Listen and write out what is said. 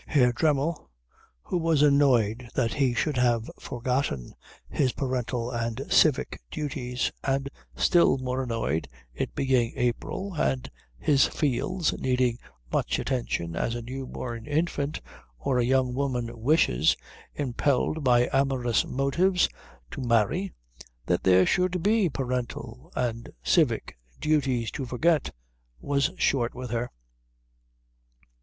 Herr Dremmel, who was annoyed that he should have forgotten his parental and civic duties, and still more annoyed, it being April and his fields needing much attention as a new born infant, or a young woman one wishes, impelled by amorous motives, to marry, that there should be parental and civic duties to forget, was short with her.